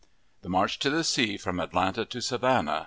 THE MARCH TO THE SEA FROM ATLANTA TO SAVANNAH.